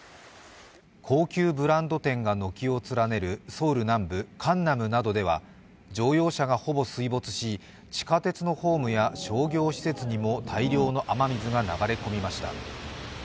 高級ブランド店が軒を連ねるソウル南部カンナムなどでは乗用車がほぼ水没し地下鉄のホームや商業施設にも大量の雨水が流れ込みました。